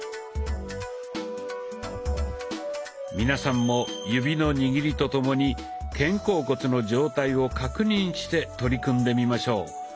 皆さんも指の握りとともに肩甲骨の状態を確認して取り組んでみましょう。